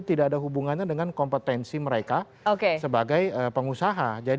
tidak ada hubungannya dengan kompetensi mereka sebagai pengusaha